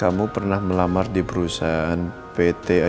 aku akan melindungi anak aku